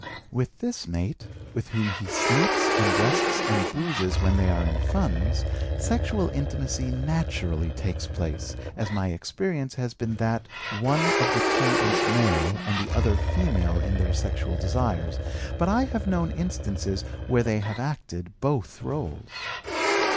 With this mate, with whom he sleeps and rests and 'boozes' when they are in funds, sexual intimacy naturally takes place, as my experience has been that one of the two is male and the other female in their sexual desires, but I have known instances where they have acted both roles.